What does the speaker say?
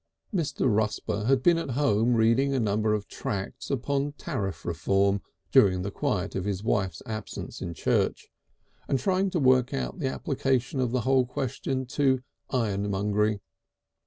Mr. Rusper had been at home reading a number of tracts upon Tariff Reform, during the quiet of his wife's absence in church, and trying to work out the application of the whole question to ironmongery.